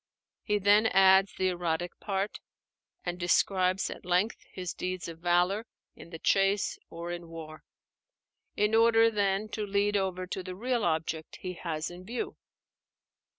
He then adds the erotic part, and describes at length his deeds of valor in the chase or in war; in order, then, to lead over to the real object he has in view.